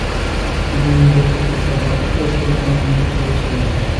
তিনি নিজের খলিফা বা উত্তরসূরি মনোনীত করেছিলেন।